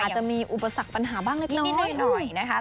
อาจจะมีอุปสรรคปัญหาบ้างน้อยนะคะ